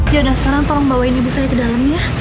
yaudah sekarang tolong bawain ibu saya ke dalam ya